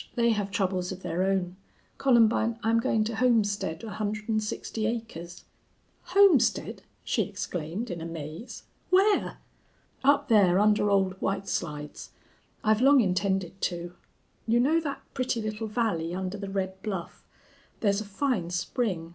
They have troubles of their own. Columbine, I'm going to homestead one hundred and sixty acres." "Homestead!" she exclaimed, in amaze. "Where?" "Up there under Old White Slides. I've long intended to. You know that pretty little valley under the red bluff. There's a fine spring.